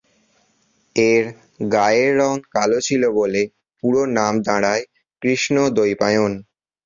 এঁর গায়ের রং কালো ছিল বলে, পুরো নাম দাঁড়ায় কৃষ্ণ-দ্বৈপায়ন।